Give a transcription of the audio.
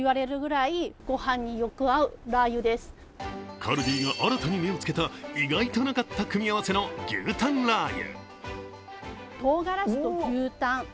カルディが新たに目をつけた意外となかった組み合わせの牛たんラー油。